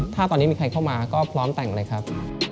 ถ้าตอนนี้มีใครเข้ามาก็พร้อมแต่งเลยครับ